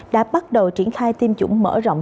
đã bắt đầu triển khai tiêm chủng mở rộng